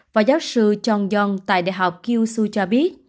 phó giáo sư chong yong tại đại học kyushu cho biết